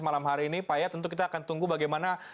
malam hari ini pak ya tentu kita akan tunggu bagaimana